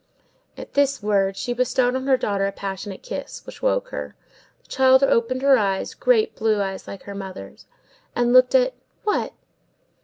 At this word she bestowed on her daughter a passionate kiss, which woke her. The child opened her eyes, great blue eyes like her mother's, and looked at—what?